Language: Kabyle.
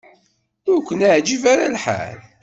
Ur kent-iɛejjeb ara.